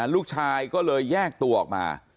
ลูกชายก็เลยแยกตัวออกมา